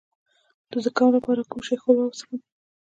د زکام لپاره د کوم شي ښوروا وڅښم؟